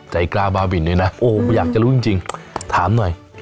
ใจกล้าบ้าบินด้วยนะโอ้อยากจะรู้จริงถามหน่อย